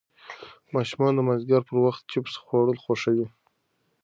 ماشومان د مازدیګر پر وخت چېپس خوړل خوښوي.